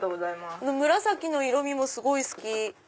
紫の色みもすごい好き。